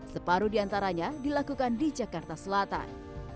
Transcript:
separuh di antaranya dilakukan di jakarta selatan